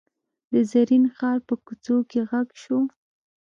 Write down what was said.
د زرین ښار په کوڅو کې غږ شو.